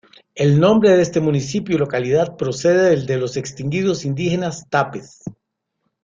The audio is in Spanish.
El nombre de este municipio y localidad procede del de los extinguidos indígenas Tapes.